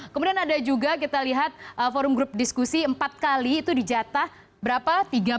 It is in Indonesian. kemudian ada juga kita lihat forum grup diskusi empat kali itu dijatah berapa